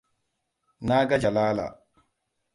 Na ga Jalala.